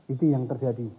itu yang terjadi